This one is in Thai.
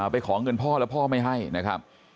ไปขอเงินพ่อแล้วพ่อไม่ให้นะครับ